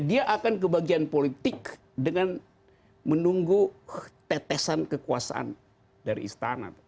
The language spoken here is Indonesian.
dia akan kebagian politik dengan menunggu tetesan kekuasaan dari istana